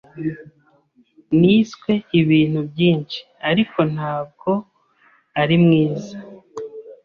Niswe ibintu byinshi, ariko ntabwo ari mwiza.